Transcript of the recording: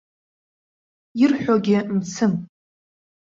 Ирҳәогьы мцым.